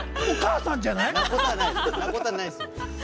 そんなことはないですよ。